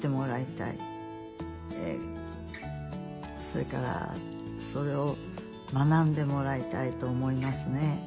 それからそれを学んでもらいたいと思いますね。